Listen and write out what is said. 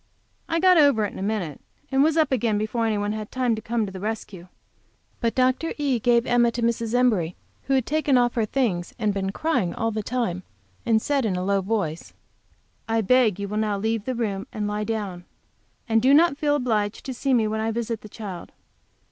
I got over it in a minute, and was up again before any one had time to come to the rescue. But Dr. E. gave Emma to Mrs. Embury, who had taken off her things and been crying all the time, and said in a low voice, "I beg you will now leave the room, and lie down. And do not feel obliged to see me when I visit the child.